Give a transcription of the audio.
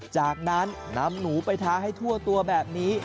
จากนั้นนำหนูไปทาให้ทั่วตัวแบบนี้